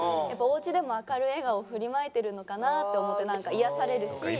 やっぱおうちでも明るい笑顔を振りまいてるのかなって思ってなんか癒やされるし。